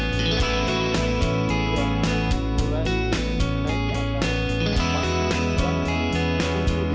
saya ingin mengucapkan terima kasih kepada anda semua yang telah menonton video ini